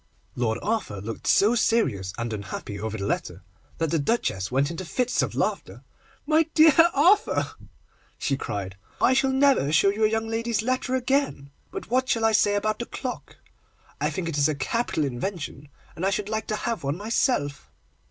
Lord Arthur looked so serious and unhappy over the letter, that the Duchess went into fits of laughter. 'My dear Arthur,' she cried, 'I shall never show you a young lady's letter again! But what shall I say about the clock? I think it is a capital invention, and I should like to have one myself.